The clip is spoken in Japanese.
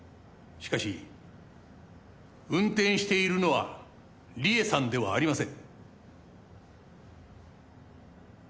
しかし運転しているのは理恵さんではありません。